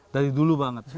dari dulu banget